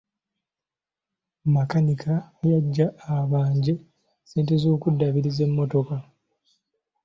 Makanika yajja abanje ssente z'okuddaabiriza e mmotoka.